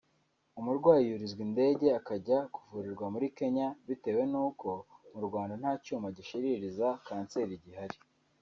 umurwayi yurizwa indege akajya kuvurirwa muri Kenya bitewe n’ uko mu Rwanda nta cyuma gishiririza kanseri gihari